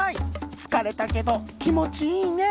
つかれたけどきもちいいね」。